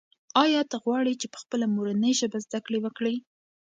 آیا ته غواړې چې په خپله مورنۍ ژبه زده کړه وکړې؟